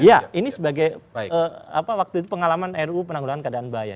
ya ini sebagai pengalaman ru penanggulan keadaan bahaya